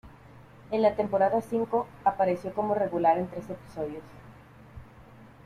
En la temporada cinco, apareció como regular en tres episodios.